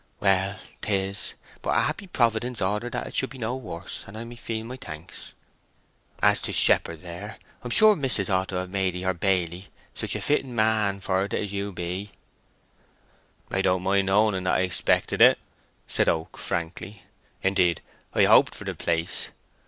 "Well, 'tis; but a happy Providence ordered that it should be no worse, and I feel my thanks. As to shepherd, there, I'm sure mis'ess ought to have made ye her baily—such a fitting man for't as you be." "I don't mind owning that I expected it," said Oak, frankly. "Indeed, I hoped for the place.